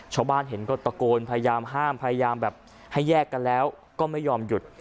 ชาวบ้านเห็นก็ตะโกนพยายามห้ามพยายามแบบให้แยกกันแล้วก็ไม่ยอมหยุด